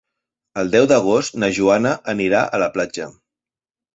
El deu d'agost na Joana anirà a la platja.